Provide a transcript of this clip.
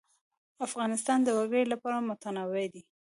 افغانستان د وګړي له پلوه متنوع دی.